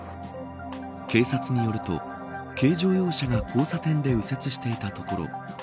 警察によると、軽乗用車が交差点で右折していたところ